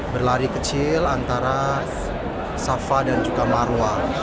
berlari kecil antara safa dan juga marwah